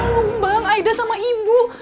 malu bang aida sama ibu